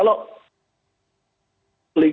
baik di liga dua maupun di liga tiga